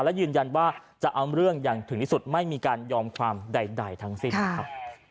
และยืนยันว่าจะเอาเรื่องอย่างถึงที่สุดไม่มีการยอมความใดทั้งสิ้นนะครับ